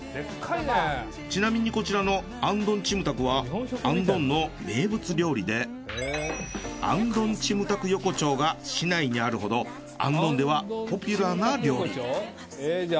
ちなみにこちらのアンドンチムタクはアンドンの名物料理でアンドンチムタク横丁が市内にあるほどアンドンではポピュラーな料理。